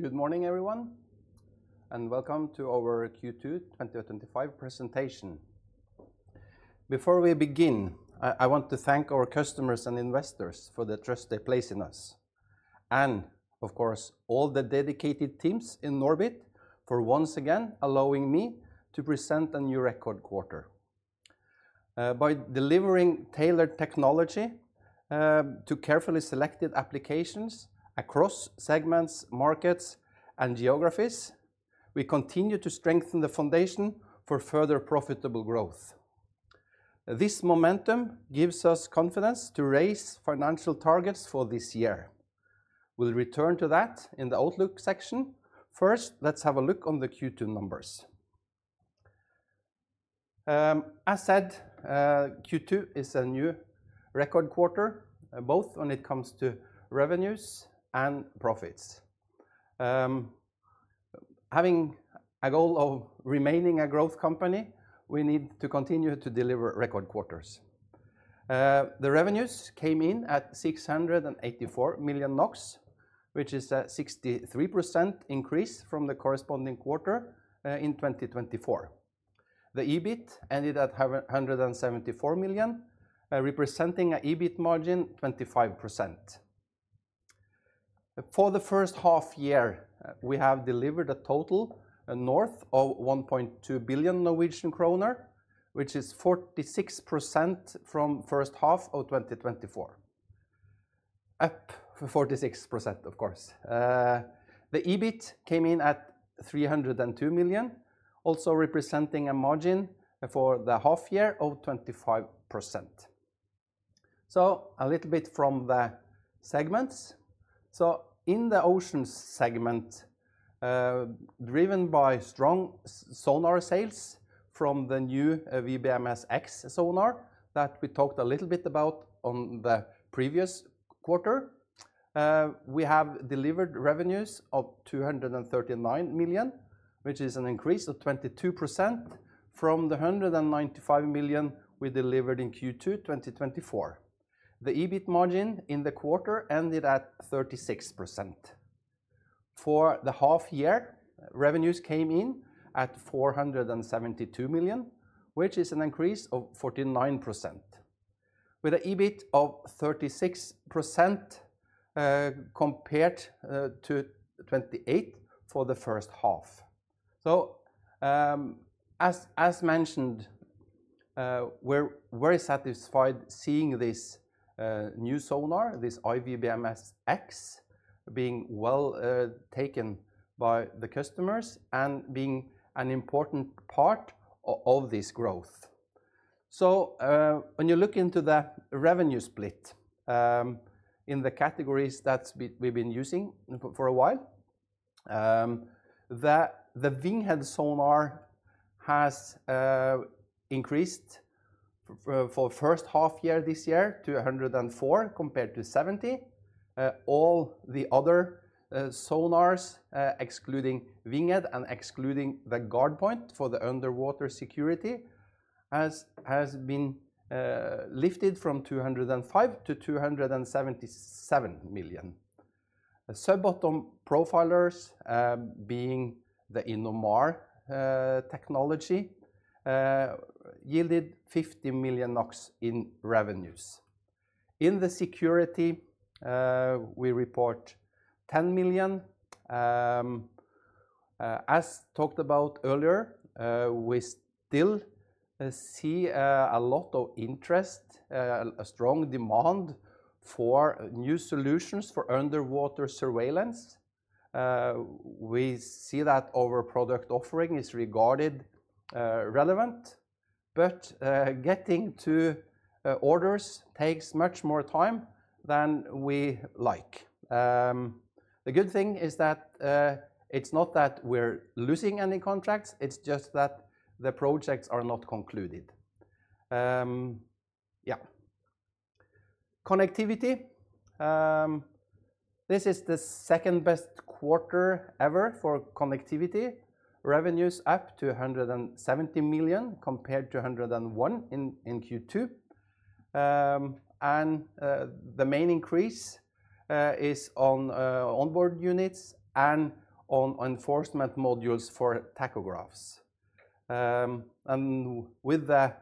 Good morning, everyone, and welcome to our Q2 2025 presentation. Before we begin, I want to thank our customers and investors for the trust they place in us. Of course, all the dedicated teams in NORBIT for once again allowing me to present a new record quarter. By delivering tailored technology to carefully selected applications across segments, markets, and geographies, we continue to strengthen the foundation for further profitable growth. This momentum gives us confidence to raise financial targets for this year. We'll return to that in the outlook section. First, let's have a look at the Q2 numbers. As said, Q2 is a new record quarter, both when it comes to revenues and profits. Having a goal of remaining a growth company, we need to continue to deliver record quarters. The revenues came in at 684 million NOK, which is a 63% increase from the corresponding quarter in 2024. The EBIT ended at 174 million, representing an EBIT margin of 25%. For the first half year, we have delivered a total north of 1.2 billion Norwegian kroner, which is 46% from the first half of 2024. Up 46%, of course. The EBIT came in at 302 million, also representing a margin for the half year of 25%. A little bit from the segments. In the Oceans segment, driven by strong sonar sales from the new WBMS X sonar that we talked a little bit about in the previous quarter, we have delivered revenues of 239 million, which is an increase of 22% from the 195 million we delivered in Q2 2024. The EBIT margin in the quarter ended at 36%. For the half year, revenues came in at 472 million, which is an increase of 49%, with an EBIT of 36% compared to 28% for the first half. As mentioned, we're very satisfied seeing this new sonar, this WBMS X, being well taken by the customers and being an important part of this growth. When you look into the revenue split in the categories that we've been using for a while, the WINGHEAD sonar has increased for the first half year this year to 104 million compared to 70 million. All the other sonars, excluding WINGHEAD and excluding the GuardPoint for the underwater security, have been lifted from 205 million to 277 million. Sub-bottom profilers, being the Innomar Technologie, yielded 50 million NOK in revenues. In the security, we report 10 million. As talked about earlier, we still see a lot of interest, a strong demand for new solutions for underwater surveillance. We see that our product offering is regarded relevant, but getting to orders takes much more time than we like. The good thing is that it's not that we're losing any contracts, it's just that the projects are not concluded. Connectivity, this is the second best quarter ever for connectivity. Revenues up to 170 million compared to 101 million in Q2. The main increase is on On-Board Units and on enforcement modules for tachographs. With the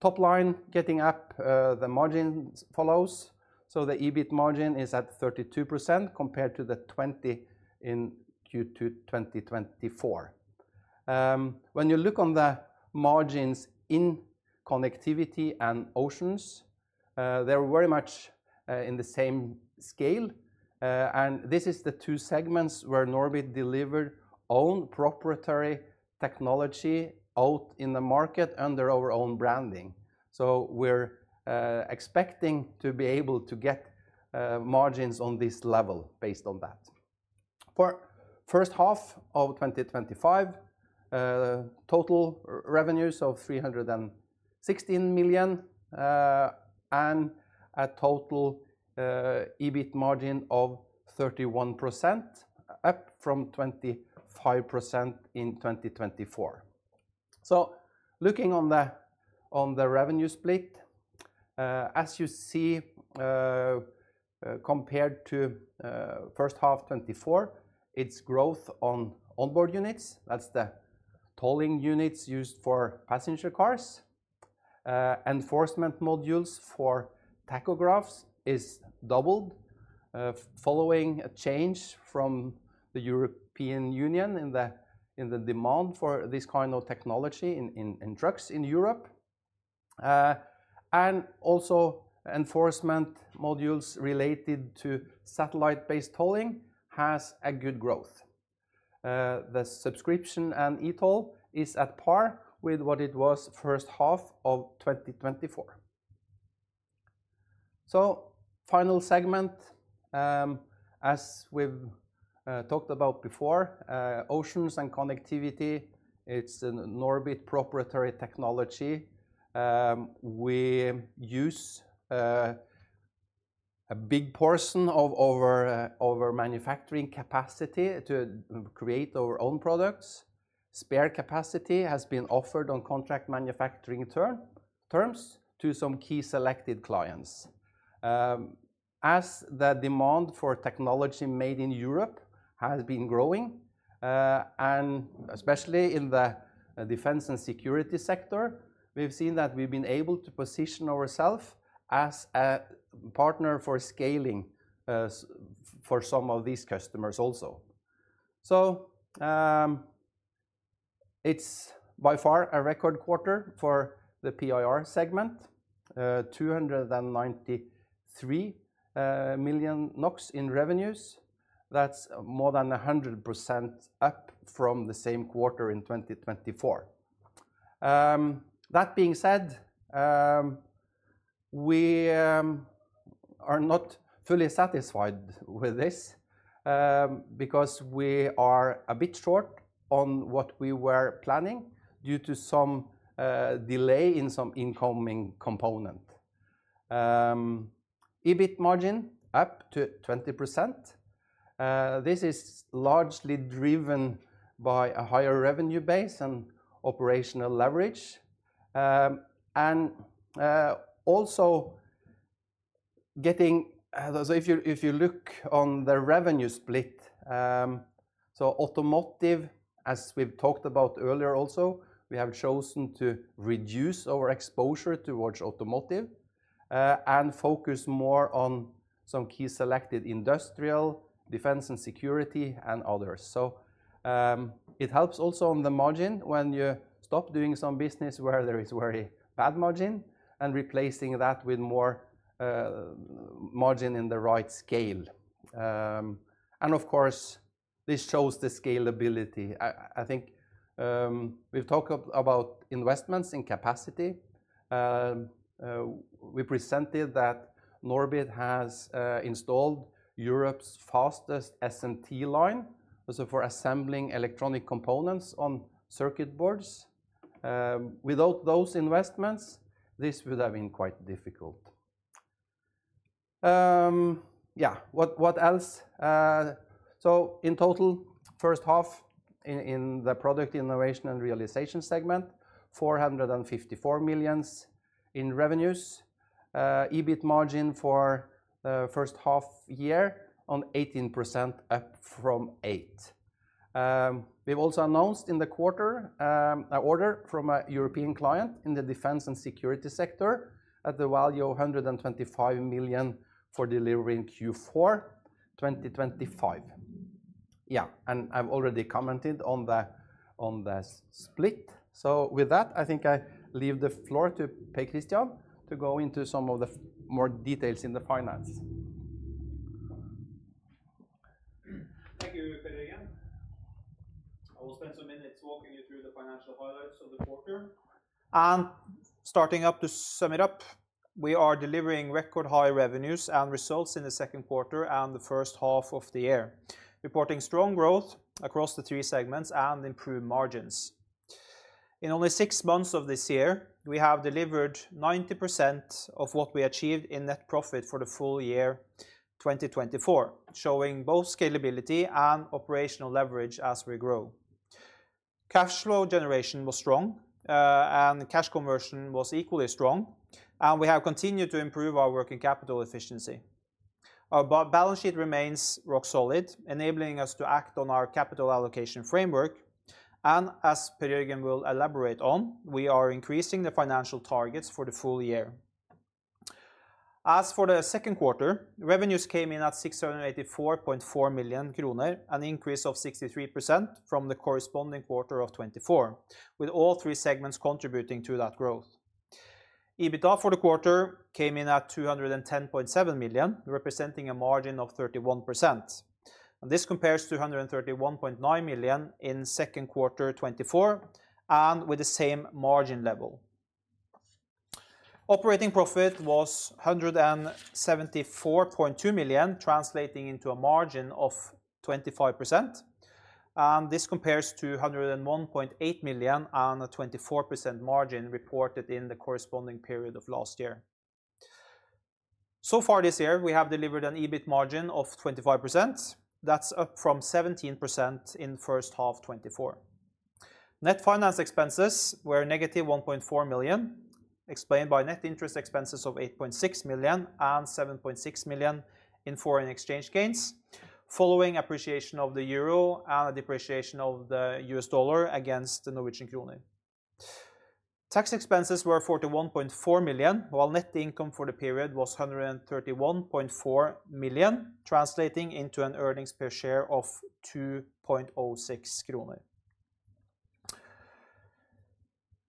top-line getting up, the margin follows. The EBIT margin is at 32% compared to 20% in Q2 2024. When you look on the margins in Connectivity and Oceans, they're very much in the same scale. These are the two segments where NORBIT delivered own proprietary technology out in the market under our own branding. We're expecting to be able to get margins on this level based on that. For the first half of 2025, total revenues of 316 million and a total EBIT margin of 31%, up from 25% in 2024. Looking on the revenue split, as you see, compared to the first half of 2024, it's growth on On-Board Units. That's the tolling units used for passenger cars. Enforcement modules for tachographs is doubled, following a change from the European Union in the demand for this kind of technology in trucks in Europe. Also, enforcement modules related to satellite-based tolling has a good growth. The subscription and e-toll is at par with what it was the first half of 2024. Final segment, as we've talked about before, Oceans and Connectivity, it's a NORBIT proprietary technology. We use a big portion of our manufacturing capacity to create our own products. Spare capacity has been offered on contract manufacturing terms to some key selected clients. As the demand for technology made in Europe has been growing, and especially in the defense and security sector, we've seen that we've been able to position ourselves as a partner for scaling for some of these customers also. It's by far a record quarter for the PIR segment, 293 million NOK in revenues. That's more than 100% up from the same quarter in 2024. That being said, we are not fully satisfied with this because we are a bit short on what we were planning due to some delay in some incoming components. EBIT margin up to 20%. This is largely driven by a higher revenue base and operational leverage. Also, getting those, if you look on the revenue split, automotive, as we've talked about earlier also, we have chosen to reduce our exposure towards automotive and focus more on some key selected industrial, defense and security, and others. It helps also on the margin when you stop doing some business where there is a very bad margin and replacing that with more margin in the right scale. Of course, this shows the scalability. I think we've talked about investments in capacity. We presented that NORBIT has installed Europe's fastest SMT line, for assembling electronic components on circuit boards. Without those investments, this would have been quite difficult. In total, first half in the Product Innovation & Realization segment, 454 million in revenues. EBIT margin for the first half year on 18% up from 8%. We've also announced in the quarter an order from a European client in the defense and security sector at the value of 125 million for delivery in Q4 2025. I've already commented on the split. With that, I think I leave the floor to Per Kristian to go into some of the more details in the finance. Thank you, Per Jørgen. I will spend some minutes. To sum it up, we are delivering record high revenues and results in the second quarter and the first half of the year, reporting strong growth across the three segments and improved margins. In only six months of this year, we have delivered 90% of what we achieved in net profit for the full year 2024, showing both scalability and operational leverage as we grow. Cash flow generation was strong, and cash conversion was equally strong, and we have continued to improve our working capital efficiency. Our balance sheet remains rock solid, enabling us to act on our capital allocation framework. As Per Jørgen will elaborate on, we are increasing the financial targets for the full year. For the second quarter, revenues came in at 684.4 million kroner, an increase of 63% from the corresponding quarter of 2024, with all three segments contributing to that growth. EBITDA for the quarter came in at 210.7 million, representing a margin of 31%. This compares to 131.9 million in the second quarter 2024, with the same margin level. Operating profit was 174.2 million, translating into a margin of 25%. This compares to 101.8 million and a 24% margin reported in the corresponding period of last year. So far this year, we have delivered an EBIT margin of 25%, up from 17% in the first half of 2024. Net finance expenses were -1.4 million, explained by net interest expenses of 8.6 million and 7.6 million in foreign exchange gains, following appreciation of the euro and a depreciation of the U.S. dollar against the Norwegian kroner. Tax expenses were 41.4 million, while net income for the period was 131.4 million, translating into an earnings per share of 2.06 kroner.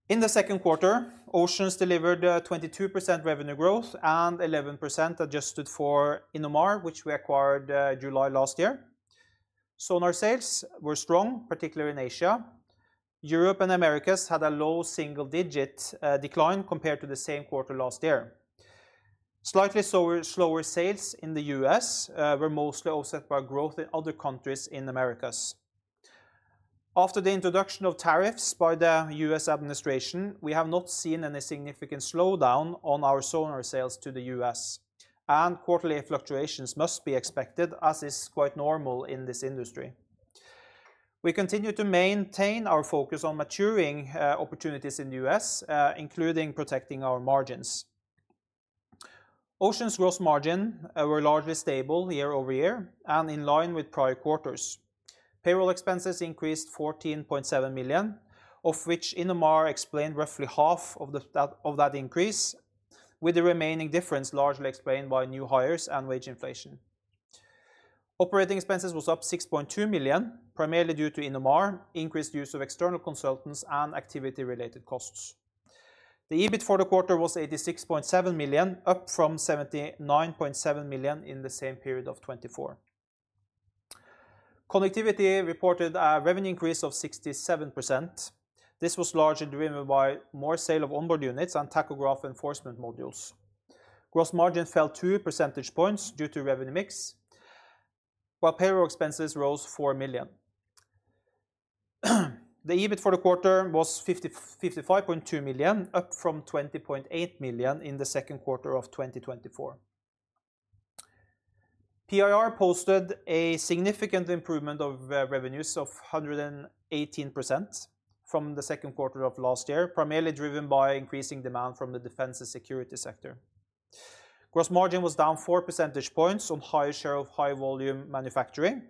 In the second quarter, Oceans delivered 22% revenue growth and 11% adjusted for Innomar, which we acquired in July last year. Sonar sales were strong, particularly in Asia. Europe and the Americas had a low single-digit decline compared to the same quarter last year. Slightly slower sales in the U.S. were mostly offset by growth in other countries in the Americas. After the introduction of tariffs by the U.S. administration, we have not seen any significant slowdown on our sonar sales to the U.S. quarterly fluctuations must be expected, as is quite normal in this industry. We continue to maintain our focus on maturing opportunities in the U.S., including protecting our margins. Oceans' gross margin was largely stable year-over-year and in line with prior quarters. Payroll expenses increased 14.7 million, of which Innomar explained roughly half of that increase, with the remaining difference largely explained by new hires and wage inflation. Operating expenses were up 6.2 million, primarily due to Innomar, increased use of external consultants, and activity-related costs. The EBIT for the quarter was 86.7 million, up from 79.7 million in the same period of 2024. Connectivity reported a revenue increase of 67%. This was largely driven by more sale of On-Board Units and enforcement modules for tachographs. Gross margin fell 2 percentage points due to revenue mix, while payroll expenses rose 4 million. The EBIT for the quarter was 55.2 million, up from 20.8 million in the second quarter of 2024. PIR posted a significant improvement of revenues of 118% from the second quarter of last year, primarily driven by increasing demand from the defense and security sector. Gross margin was down 4 percentage points on high share of high-volume manufacturing,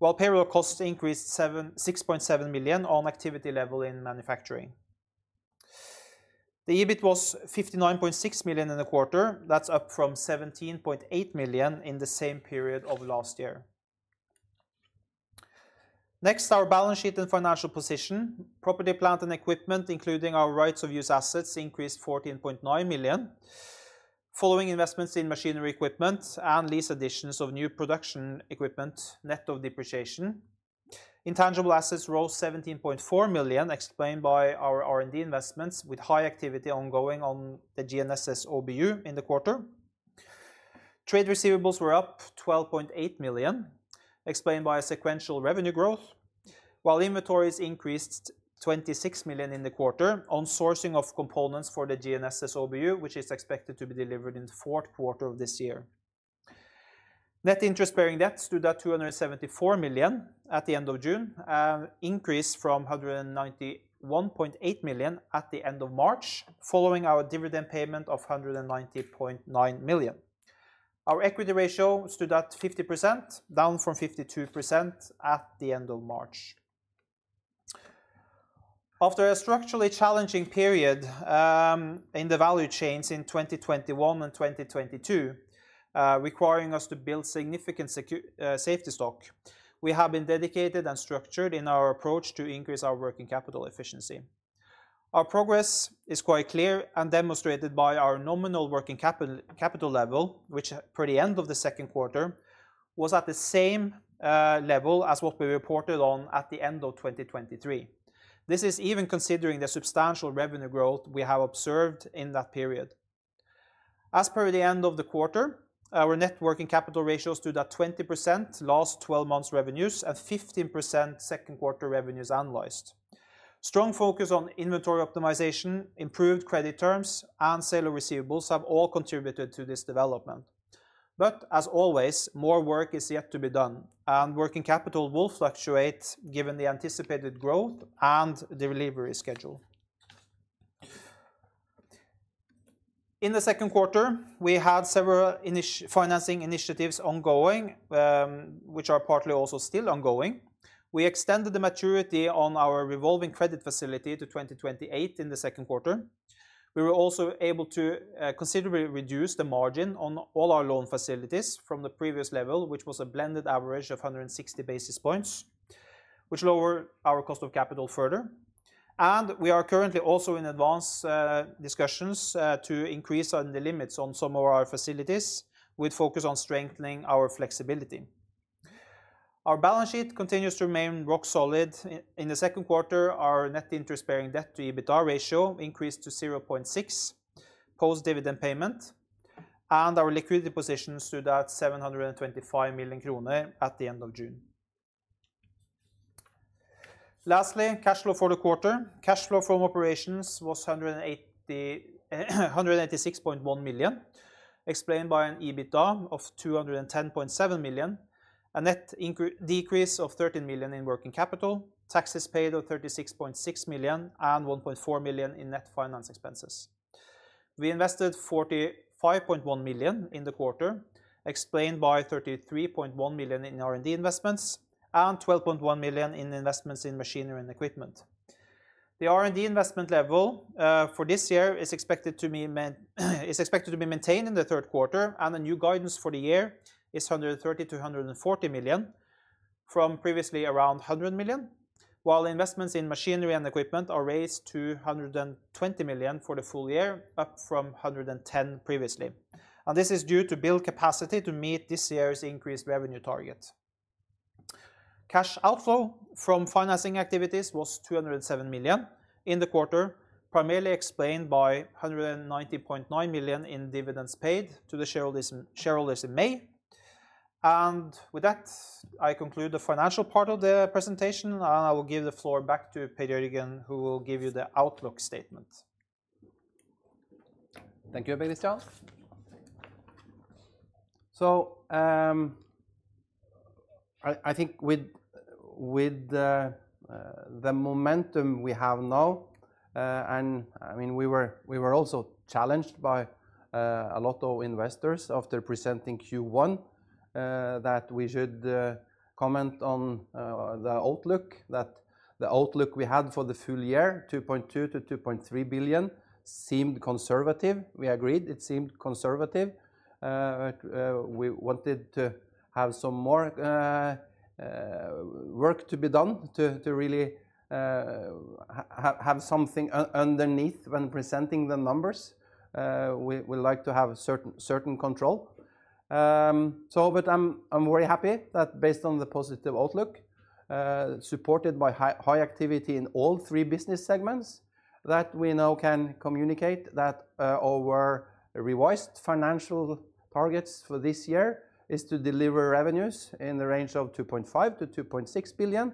while payroll costs increased 6.7 million on activity level in manufacturing. The EBIT was 59.6 million in the quarter. That's up from 17.8 million in the same period of last year. Next, our balance sheet and financial position. Property, plant, and equipment, including our rights of use assets, increased 14.9 million, following investments in machinery equipment and lease additions of new production equipment, net of depreciation. Intangible assets rose 17.4 million, explained by our R&D investments with high activity ongoing on the GNSS OBU in the quarter. Trade receivables were up 12.8 million, explained by a sequential revenue growth, while inventories increased 26 million in the quarter on sourcing of components for the GNSS OBU, which is expected to be delivered in the fourth quarter of this year. Net interest-bearing debt stood at 274 million at the end of June, increased from 91.8 million at the end of March, following our dividend payment of 190.9 million. Our equity ratio stood at 50%, down from 52% at the end of March. After a structurally challenging period in the value chains in 2021 and 2022, requiring us to build significant safety stock, we have been dedicated and structured in our approach to increase our working capital efficiency. Our progress is quite clear and demonstrated by our nominal working capital level, which per the end of the second quarter was at the same level as what we reported on at the end of 2023. This is even considering the substantial revenue growth we have observed in that period. As per the end of the quarter, our net working capital ratio stood at 20% last 12 months' revenues and 15% second quarter revenues analyzed. Strong focus on inventory optimization, improved credit terms, and sale of receivables have all contributed to this development. More work is yet to be done, and working capital will fluctuate given the anticipated growth and the delivery schedule. In the second quarter, we had several financing initiatives ongoing, which are partly also still ongoing. We extended the maturity on our revolving credit facility to 2028 in the second quarter. We were also able to considerably reduce the margin on all our loan facilities from the previous level, which was a blended average of 160 basis points, which lowered our cost of capital further. We are currently also in advanced discussions to increase the limits on some of our facilities, with focus on strengthening our flexibility. Our balance sheet continues to remain rock solid. In the second quarter, our net interest-bearing debt to EBITDA ratio increased to 0.6x, post-dividend payment, and our liquidity positions stood at 725 million kroner at the end of June. Lastly, cash flow for the quarter. Cash flow from operations was 186.1 million, explained by an EBITDA of 210.7 million, a net decrease of 13 million in working capital, taxes paid of 36.6 million, and 1.4 million in net finance expenses. We invested 45.1 million in the quarter, explained by 33.1 million in R&D investments and 12.1 million in investments in machinery and equipment. The R&D investment level for this year is expected to be maintained in the third quarter, and the new guidance for the year is 130 million-140 million, from previously around 100 million, while investments in machinery and equipment are raised to 120 million for the full year, up from 110 million previously. This is due to build capacity to meet this year's increased revenue target. Cash outflow from financing activities was 207 million in the quarter, primarily explained by 190.9 million in dividends paid to the shareholders in May. With that, I conclude the financial part of the presentation, and I will give the floor back to Per Jørgen, who will give you the outlook statement. Thank you, Per Kristian. I think with the momentum we have now, and I mean, we were also challenged by a lot of investors after presenting Q1 that we should comment on the outlook, that the outlook we had for the full year, 2.2 billion-2.3 billion, seemed conservative. We agreed it seemed conservative. We wanted to have some more work to be done to really have something underneath when presenting the numbers. We like to have certain control. I'm very happy that based on the positive outlook, supported by high activity in all three business segments, we now can communicate that our revised financial targets for this year are to deliver revenues in the range of 2.5 billion-2.6 billion,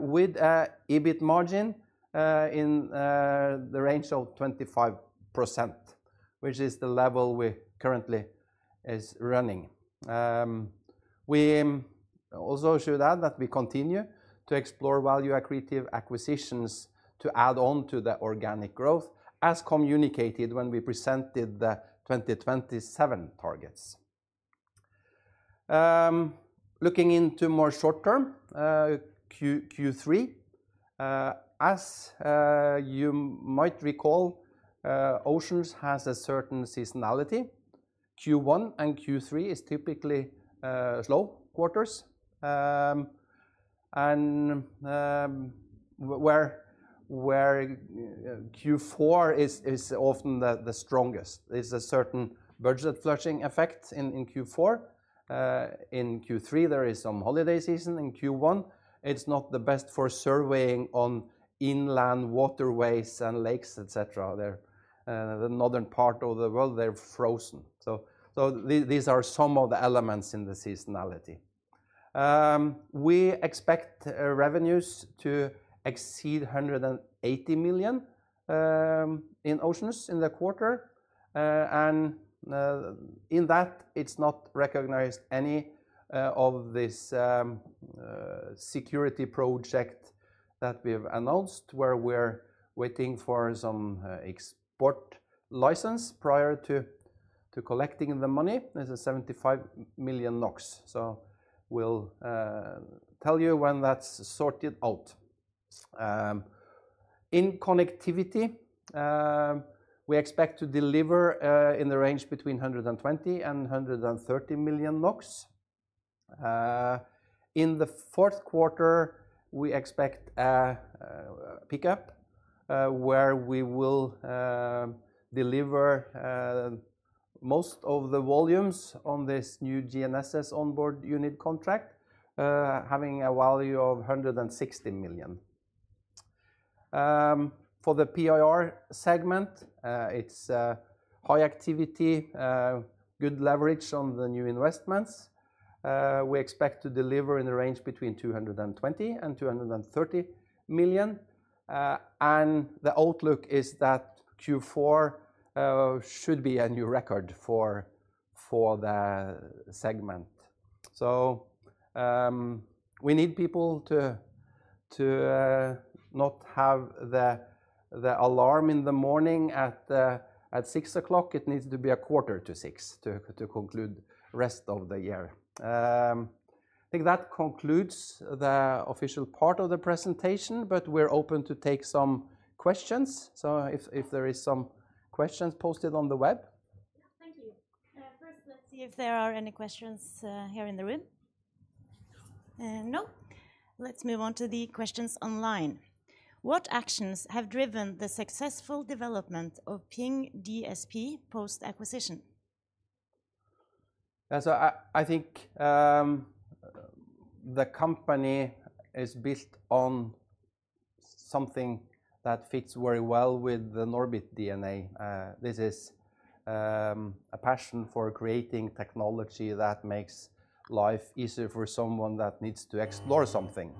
with an EBIT margin in the range of 25%, which is the level we currently are running. We also should add that we continue to explore value-accretive acquisitions to add on to the organic growth, as communicated when we presented the 2027 targets. Looking into more short-term, Q3, as you might recall, Oceans has a certain seasonality. Q1 and Q3 are typically slow quarters, and Q4 is often the strongest. There's a certain budget flushing effect in Q4. In Q3, there is some holiday season. In Q1, it's not the best for surveying on inland waterways and lakes, etc. In the northern part of the world, they're frozen. These are some of the elements in the seasonality. We expect revenues to exceed 180 million in Oceans in the quarter. In that, it's not recognized any of this security project that we've announced, where we're waiting for some export license prior to collecting the money. There's a 75 million NOK. We'll tell you when that's sorted out. In Connectivity, we expect to deliver in the range between 120 million and 130 million NOK. In the fourth quarter, we expect a pickup, where we will deliver most of the volumes on this new GNSS On-Board Unit contract, having a value of 160 million. For the PIR segment, it's high activity, good leverage on the new investments. We expect to deliver in the range between 220 million and 230 million. The outlook is that Q4 should be a new record for the segment. We need people to not have the alarm in the morning at 6:00 A.M. It needs to be a 5:45 A.M. to conclude the rest of the year. I think that concludes the official part of the presentation, but we're open to take some questions. If there are some questions posted on the web? Thank you. First, let's see if there are any questions here in the room. No? Let's move on to the questions online. What actions have driven the successful development of Ping DSP post-acquisition? I think the company is built on something that fits very well with the NORBIT DNA. This is a passion for creating technology that makes life easier for someone that needs to explore something.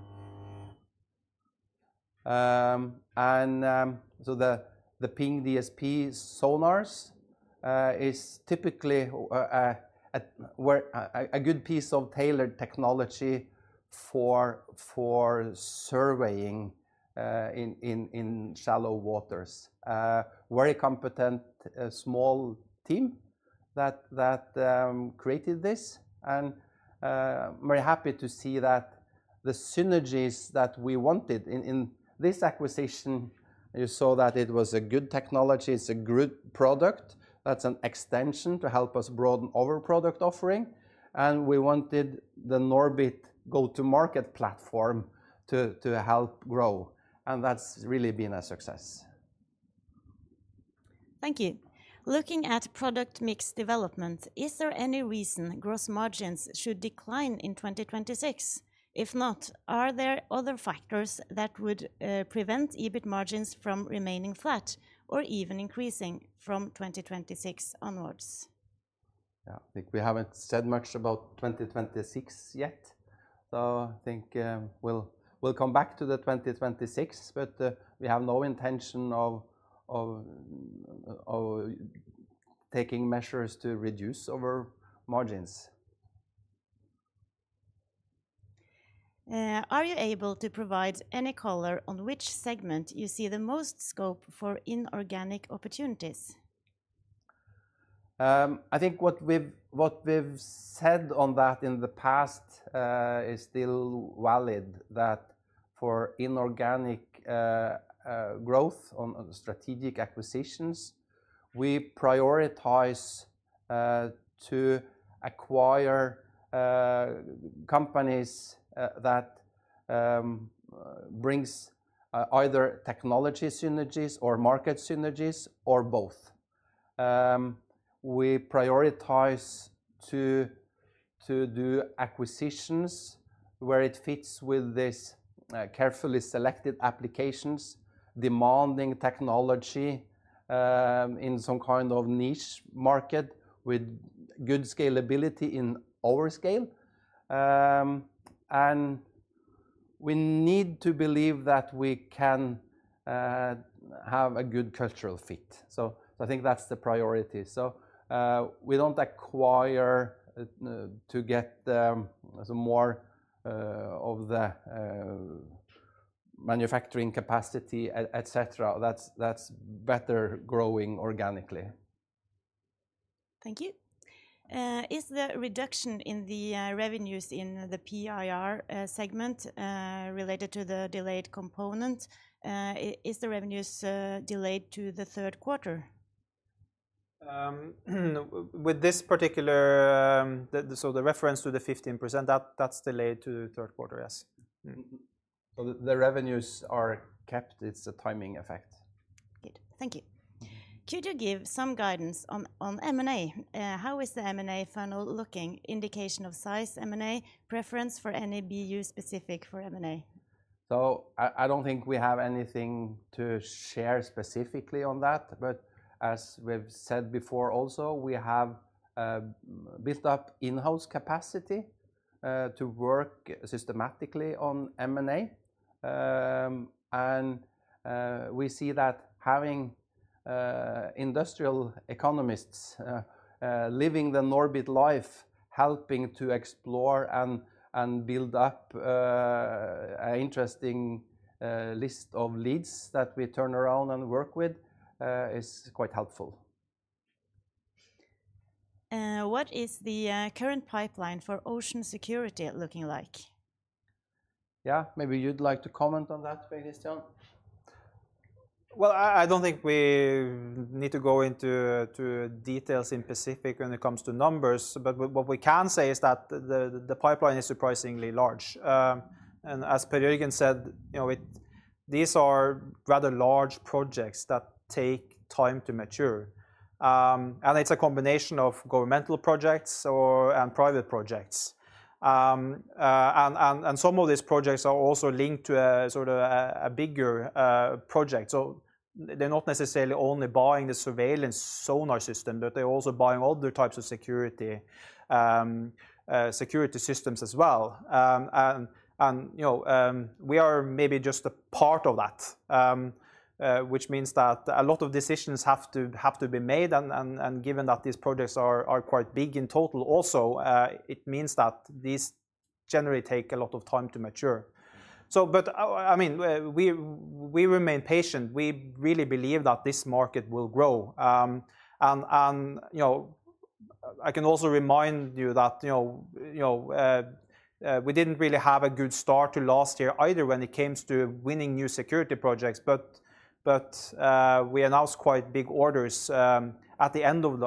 The Ping DSP sonars are typically a good piece of tailored technology for surveying in shallow waters. A very competent, small team created this. I'm very happy to see that the synergies that we wanted in this acquisition, you saw that it was a good technology. It's a good product. That's an extension to help us broaden our product offering. We wanted the NORBIT go-to-market platform to help grow. That's really been a success. Thank you. Looking at product mix development, is there any reason gross margins should decline in 2026? If not, are there other factors that would prevent EBIT margins from remaining flat or even increasing from 2026 onwards? I think we haven't said much about 2026 yet. I think we'll come back to the 2026, but we have no intention of taking measures to reduce our margins. Are you able to provide any color on which segment you see the most scope for inorganic opportunities? I think what we've said on that in the past is still valid, that for inorganic growth on strategic acquisitions, we prioritize to acquire companies that bring either technology synergies or market synergies or both. We prioritize to do acquisitions where it fits with these carefully selected applications, demanding technology in some kind of niche market with good scalability in our scale. We need to believe that we can have a good cultural fit. I think that's the priority. We don't acquire to get some more of the manufacturing capacity, etc. That's better growing organically. Thank you. Is the reduction in the revenues in the PIR segment related to the delayed component, is the revenues delayed to the third quarter? With this particular, the reference to the 15% is delayed to the third quarter, yes. The revenues are kept. It's a timing effect. Good. Thank you. Could you give some guidance on M&A? How is the M&A funnel looking? Indication of size M&A, preference for any BU specific for M&A? I don't think we have anything to share specifically on that. As we've said before, we have built up in-house capacity to work systematically on M&A. We see that having industrial economists living the NORBIT life, helping to explore and build up an interesting list of leads that we turn around and work with, is quite helpful. What is the current pipeline for ocean security looking like? Maybe you'd like to comment on that, Per Kristian. I don't think we need to go into details in specific when it comes to numbers, but what we can say is that the pipeline is surprisingly large. As Per Jørgen said, these are rather large projects that take time to mature. It's a combination of governmental projects and private projects. Some of these projects are also linked to a sort of a bigger project. They're not necessarily only buying the surveillance sonar system, but they're also buying other types of security systems as well. We are maybe just a part of that, which means that a lot of decisions have to be made. Given that these projects are quite big in total, it means that these generally take a lot of time to mature. I mean, we remain patient. We really believe that this market will grow. I can also remind you that we didn't really have a good start to last year either when it came to winning new security projects, but we announced quite big orders at the end of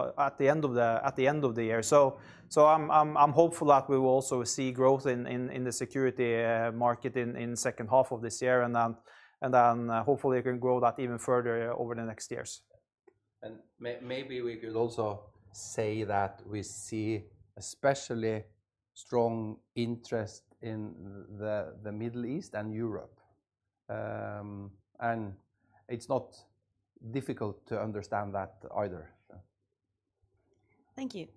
the year. I'm hopeful that we will also see growth in the security market in the second half of this year, and then hopefully it can grow that even further over the next years. Maybe we could also say that we see especially strong interest in the Middle East and Europe. It's not difficult to understand that either. Thank you.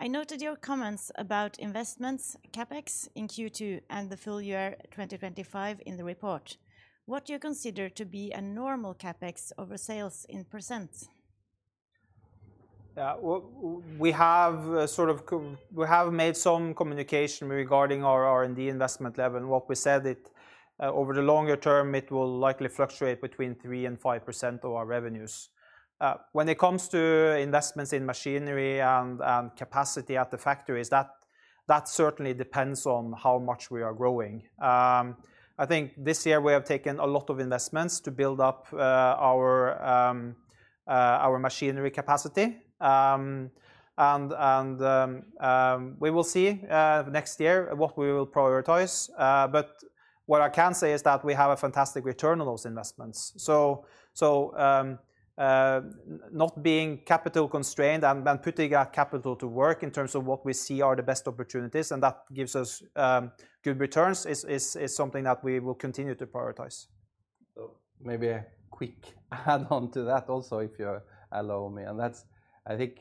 I noted your comments about investments, CapEx in Q2 and the full year 2025 in the report. What do you consider to be a normal CapEx over sales in percent? Yeah, we have sort of made some communication regarding our R&D investment level. What we said, over the longer term, it will likely fluctuate between 3% and 5% of our revenues. When it comes to investments in machinery and capacity at the factories, that certainly depends on how much we are growing. I think this year we have taken a lot of investments to build up our machinery capacity. We will see next year what we will prioritize. What I can say is that we have a fantastic return on those investments. Not being capital constrained and then putting that capital to work in terms of what we see are the best opportunities, and that gives us good returns, is something that we will continue to prioritize. Maybe a quick add-on to that also, if you allow me. I think,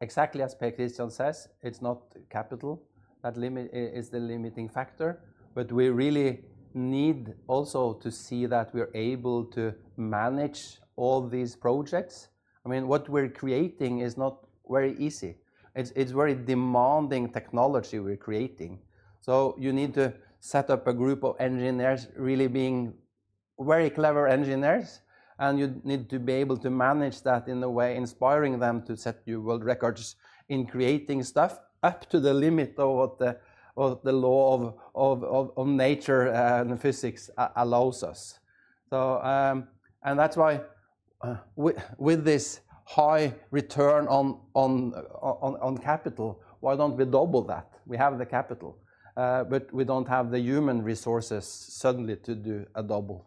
exactly as Per Kristian says, it's not capital that is the limiting factor, but we really need also to see that we're able to manage all these projects. I mean, what we're creating is not very easy. It's very demanding technology we're creating. You need to set up a group of engineers really being very clever engineers, and you need to be able to manage that in a way inspiring them to set new world records in creating stuff up to the limit of what the law of nature and physics allows us. With this high return on capital, why don't we double that? We have the capital, but we don't have the human resources suddenly to do a double.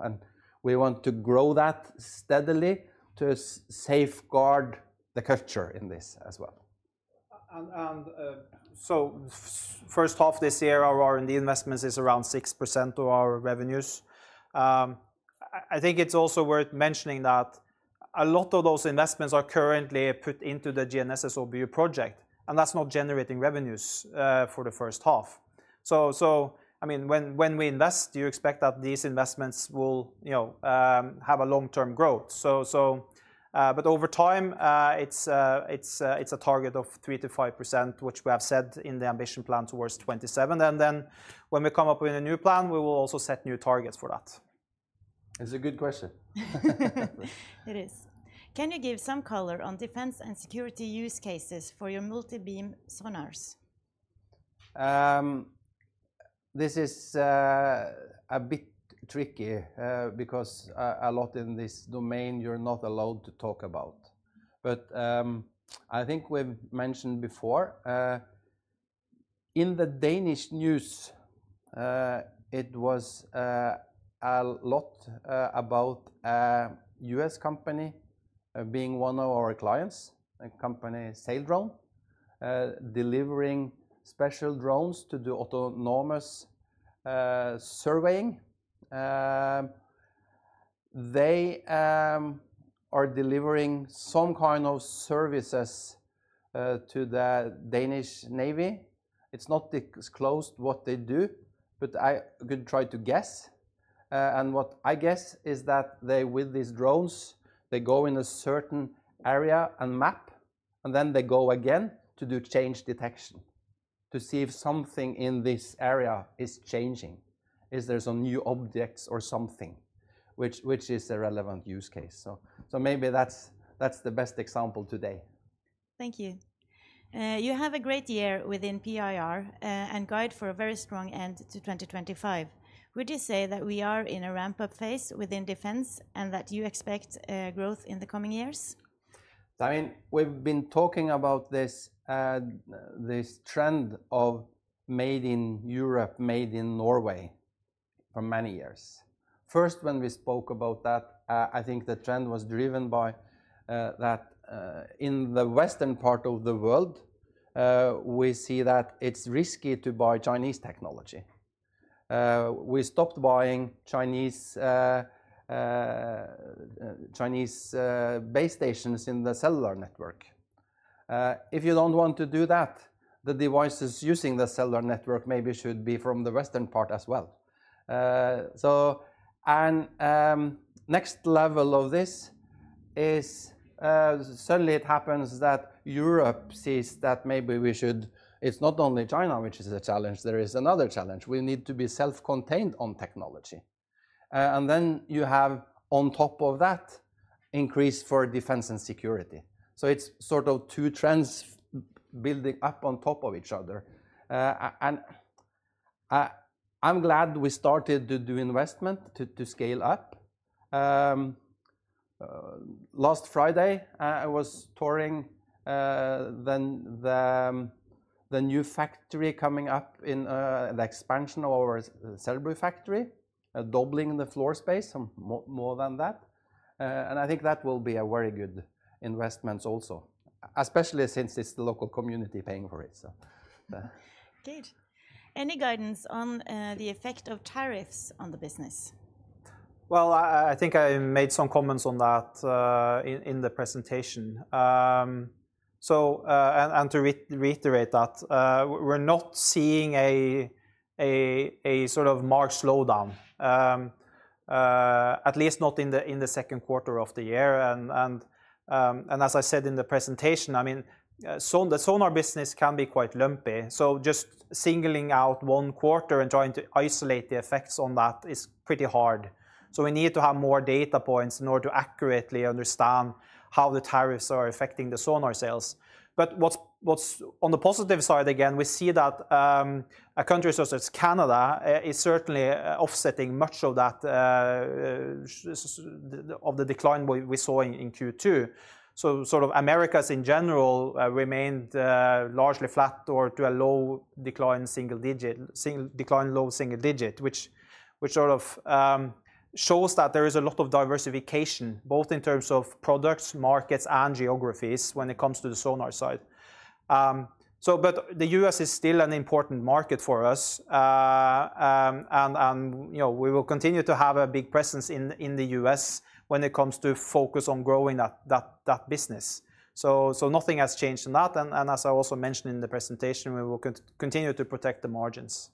We want to grow that steadily to safeguard the culture in this as well. First off, this year our R&D investments are around 6% of our revenues. I think it's also worth mentioning that a lot of those investments are currently put into the GNSS OBU project, and that's not generating revenues for the first half. When we invest, do you expect that these investments will have a long-term growth? Over time, it's a target of 3%-5%, which we have set in the ambition plan towards 2027. When we come up with a new plan, we will also set new targets for that. It's a good question. Can you give some color on defense and security use cases for your multi-beam sonars? This is a bit tricky because a lot in this domain you're not allowed to talk about. I think we've mentioned before, in the Danish news, it was a lot about a U.S. company being one of our clients, a company, Saildrone, delivering special drones to do autonomous surveying. They are delivering some kind of services to the Danish Navy. It's not disclosed what they do, but I could try to guess. What I guess is that they, with these drones, they go in a certain area and map, and then they go again to do change detection to see if something in this area is changing, if there's a new object or something, which is a relevant use case. Maybe that's the best example today. Thank you. You have a great year within PIR and guide for a very strong end to 2025. Would you say that we are in a ramp-up phase within defense and that you expect growth in the coming years? We've been talking about this trend of made in Europe, made in Norway for many years. First, when we spoke about that, I think the trend was driven by that in the western part of the world, we see that it's risky to buy Chinese technology. We stopped buying Chinese base stations in the cellular network. If you don't want to do that, the devices using the cellular network maybe should be from the western part as well. The next level of this is, suddenly it happens that Europe sees that maybe we should, it's not only China, which is a challenge, there is another challenge. We need to be self-contained on technology. You have, on top of that, increase for defense and security. It's sort of two trends building up on top of each other. I'm glad we started to do investment to scale up. Last Friday, I was touring the new factory coming up in the expansion of our cellular factory, doubling the floor space, more than that. I think that will be a very good investment also, especially since it's the local community paying for it. Good. Any guidance on the effect of tariffs on the business? I think I made some comments on that in the presentation. To reiterate that, we're not seeing a sort of marked slowdown, at least not in the second quarter of the year. As I said in the presentation, the sonar business can be quite lumpy. Just singling out one quarter and trying to isolate the effects on that is pretty hard. We need to have more data points in order to accurately understand how the tariffs are affecting the sonar sales. On the positive side, again, we see that a country such as Canada is certainly offsetting much of that, of the decline we saw in Q2. Americas in general remained largely flat or to a decline, low single digit, which shows that there is a lot of diversification, both in terms of products, markets, and geographies when it comes to the sonar side. The U.S. is still an important market for us. We will continue to have a big presence in the U.S. when it comes to focus on growing that business. Nothing has changed in that. As I also mentioned in the presentation, we will continue to protect the margins.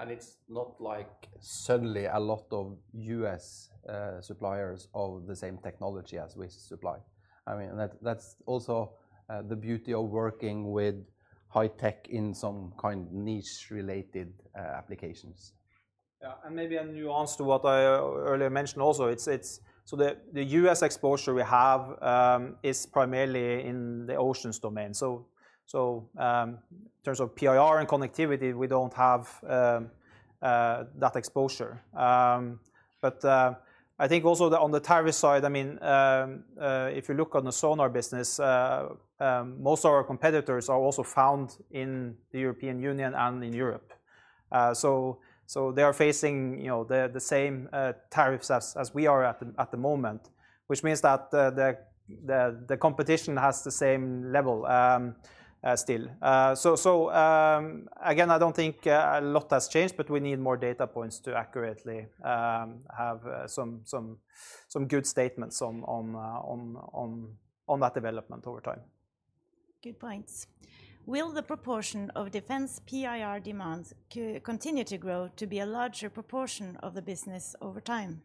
It's not like suddenly a lot of U.S. suppliers of the same technology as we supply. That's also the beauty of working with high tech in some kind of niche-related applications. Maybe a nuance to what I earlier mentioned also, the U.S. exposure we have is primarily in the oceans domain. In terms of PIR and connectivity, we don't have that exposure. I think also that on the tariff side, if you look on the sonar business, most of our competitors are also found in the European Union and in Europe. They are facing the same tariffs as we are at the moment, which means that the competition has the same level still. Again, I don't think a lot has changed, but we need more data points to accurately have some good statements on that development over time. Good points. Will the proportion of defense PIR demands continue to grow to be a larger proportion of the business over time?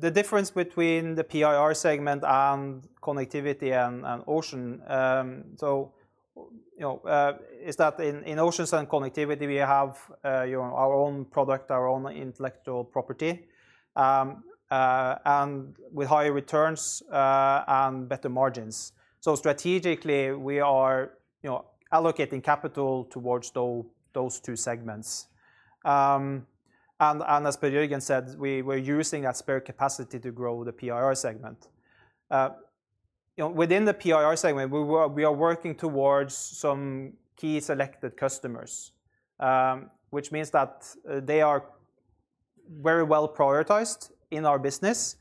The difference between the PIR segment and Connectivity and Oceans is that in Oceans and Connectivity, we have our own product, our own intellectual property, with higher returns and better margins. Strategically, we are allocating capital towards those two segments. As Per Jørgen said, we're using that spare capacity to grow the PIR segment. Within the PIR segment, we are working towards some key selected customers, which means that they are very well prioritized in our business.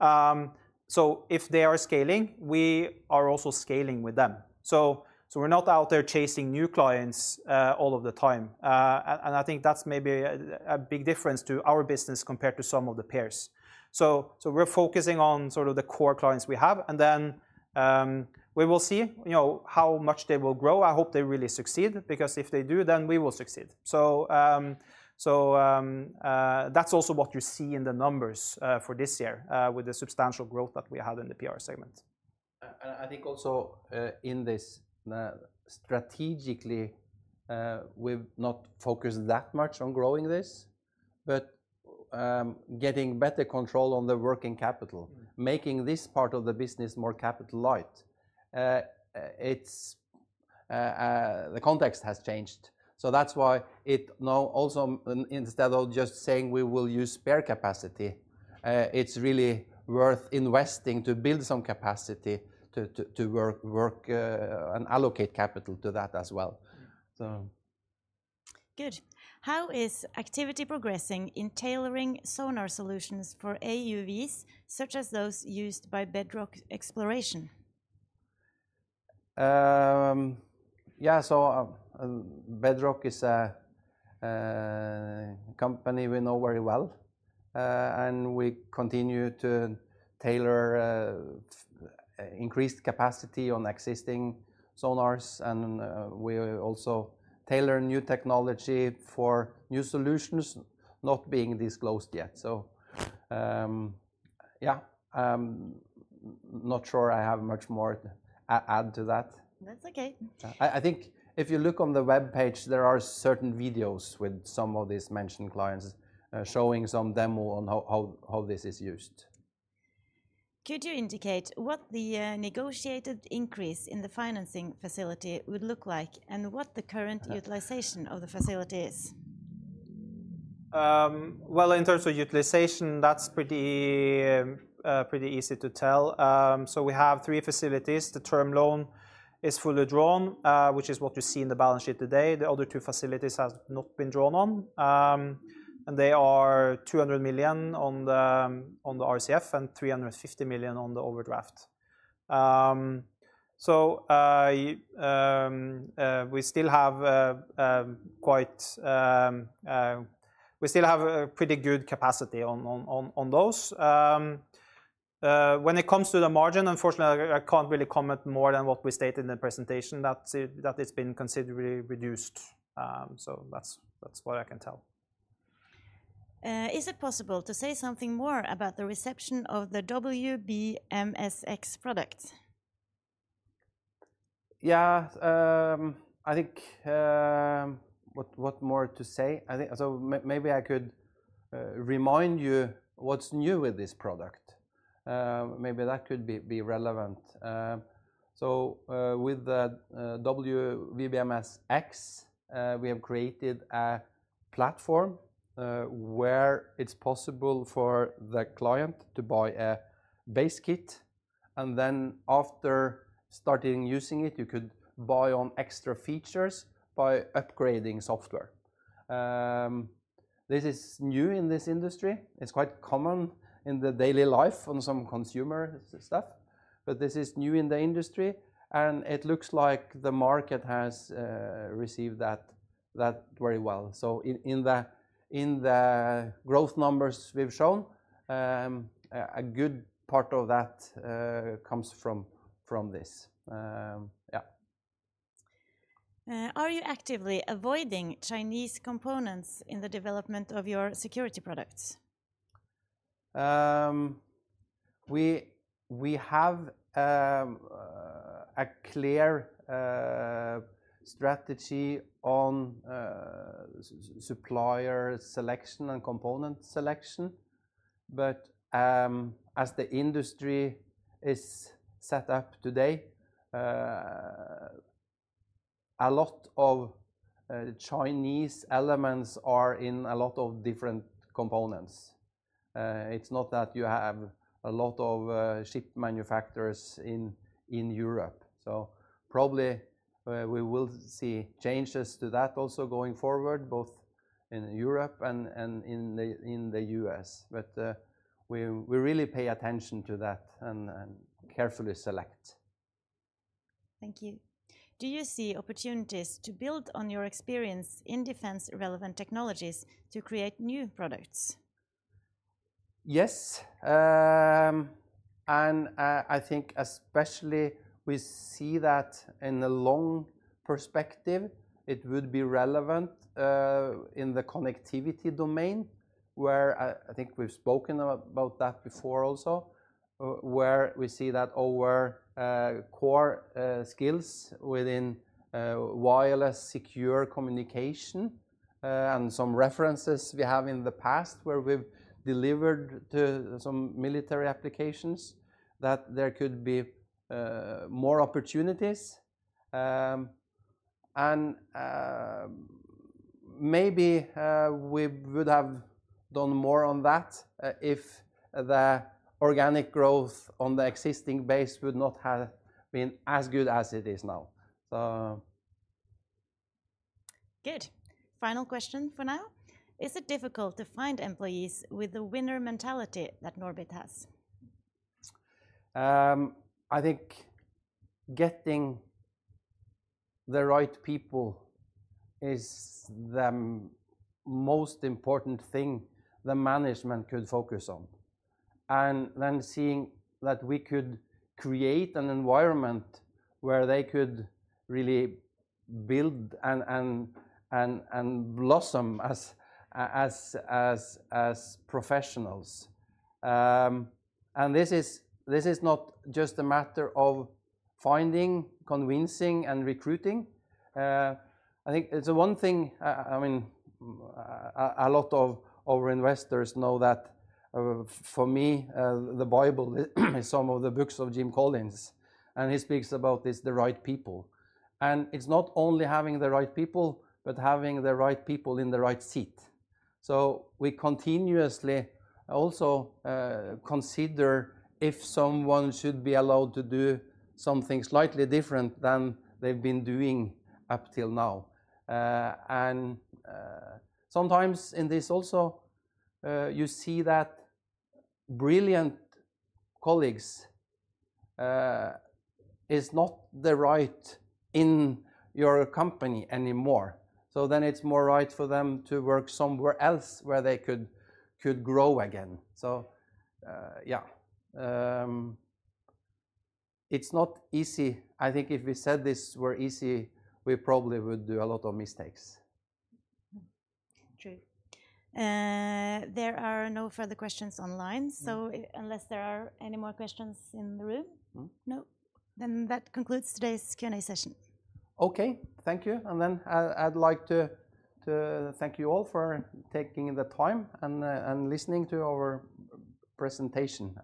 If they are scaling, we are also scaling with them. We're not out there chasing new clients all of the time. I think that's maybe a big difference to our business compared to some of the peers. We're focusing on sort of the core clients we have, and then we will see how much they will grow. I hope they really succeed, because if they do, then we will succeed. That's also what you see in the numbers for this year, with the substantial growth that we had in the PIR segment. I think also in this, strategically, we've not focused that much on growing this, but getting better control on the working capital, making this part of the business more capital-light. The context has changed. That's why now also, instead of just saying we will use spare capacity, it's really worth investing to build some capacity to work and allocate capital to that as well. Good. How is activity progressing in tailoring sonar solutions for AUVs, such as those used by Bedrock Exploration? Yeah, Bedrock is a company we know very well, and we continue to tailor increased capacity on existing sonars, and we also tailor new technology for new solutions not being disclosed yet. I'm not sure I have much more to add to that. That's okay. I think if you look on the web page, there are certain videos with some of these mentioned clients showing some demo on how this is used. Could you indicate what the negotiated increase in the financing facility would look like, and what the current utilization of the facility is? In terms of utilization, that's pretty easy to tell. We have three facilities. The term loan is fully drawn, which is what we see in the balance sheet today. The other two facilities have not been drawn on, and they are 200 million on the RCF and NOK 350 million on the overdraft. We still have quite a pretty good capacity on those. When it comes to the margin, unfortunately, I can't really comment more than what we stated in the presentation, that it's been considerably reduced. That's what I can tell. Is it possible to say something more about the reception of the WBMS X product? I think what more to say? Maybe I could remind you what's new with this product. Maybe that could be relevant. With the WBMS X sonar, we have created a platform where it's possible for the client to buy a base kit, and then after starting using it, you could buy on extra features by upgrading software. This is new in this industry. It's quite common in the daily life on some consumer stuff, but this is new in the industry, and it looks like the market has received that very well. In the growth numbers we've shown, a good part of that comes from this. Yeah. Are you actively avoiding Chinese components in the development of your security products? We have a clear strategy on supplier selection and component selection, but as the industry is set up today, a lot of Chinese elements are in a lot of different components. It's not that you have a lot of ship manufacturers in Europe. We will probably see changes to that also going forward, both in Europe and in the U.S. We really pay attention to that and carefully select. Thank you. Do you see opportunities to build on your experience in defense-relevant technologies to create new products? Yes, I think especially we see that in the long perspective, it would be relevant in the Connectivity domain, where I think we've spoken about that before also, where we see that our core skills within wireless secure communication, and some references we have in the past where we've delivered to some military applications, that there could be more opportunities. Maybe we would have done more on that if the organic growth on the existing base would not have been as good as it is now. Good. Final question for now. Is it difficult to find employees with the winner mentality that NORBIT has? I think getting the right people is the most important thing the management could focus on. Creating an environment where they could really build and blossom as professionals is key. This is not just a matter of finding, convincing, and recruiting. I think it's the one thing, I mean, a lot of our investors know that for me, the Bible is some of the books of Jim Collins, and he speaks about this, the right people. It's not only having the right people, but having the right people in the right seat. We continuously also consider if someone should be allowed to do something slightly different than they've been doing up till now. Sometimes in this also, you see that brilliant colleagues are not the right in your company anymore. It's more right for them to work somewhere else where they could grow again. It's not easy. I think if we said this were easy, we probably would do a lot of mistakes. There are no further questions online. Unless there are any more questions in the room, that concludes today's Q&A session. Okay, thank you. I'd like to thank you all for taking the time and listening to our presentation.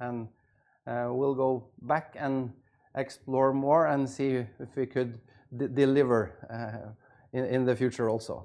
We'll go back and explore more and see if we could deliver in the future also.